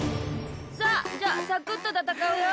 さあじゃあサクッとたたかうよ。